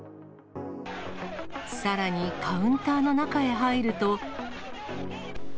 さらにカウンターの中へ入ると。